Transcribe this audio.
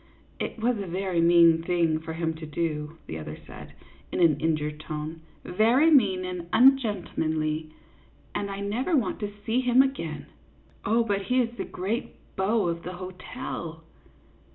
" It was a very mean thing for him to do," the other said, in an injured tone, "very mean and ungentlemanly, and I never want to see him again." " Oh, but he is the great beau of the hotel